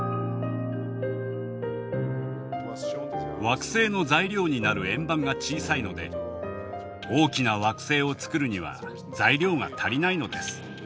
惑星の材料になる円盤が小さいので大きな惑星を作るには材料が足りないのです。